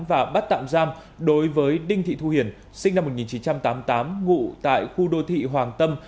và bắt tạm giam đối với đinh thị thu hiền sinh năm một nghìn chín trăm tám mươi tám ngụ tại khu đô thị hoàng tâm